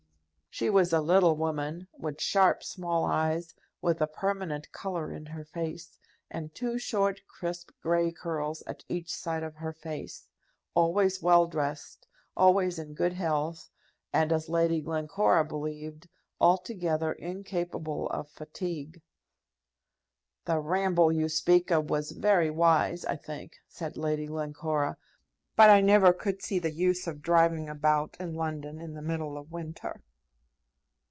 She was a little woman, with sharp small eyes, with a permanent colour in her face, and two short, crisp, grey curls at each side of her face; always well dressed, always in good health, and, as Lady Glencora believed, altogether incapable of fatigue. "The ramble you speak of was very wise, I think," said Lady Glencora; "but I never could see the use of driving about in London in the middle of winter."